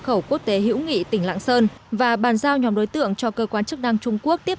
khẩu quốc tế hữu nghị tỉnh lạng sơn và bàn giao nhóm đối tượng cho cơ quan chức năng trung quốc tiếp